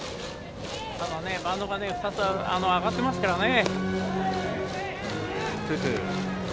ただバントが２つ上がってますからね。